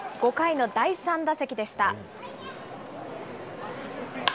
５回の第３打席でした。